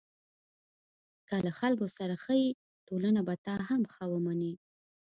که له خلکو سره ښه یې، ټولنه به تا هم ښه ومني.